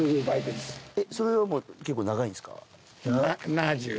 えっそれはもう結構長いんですか？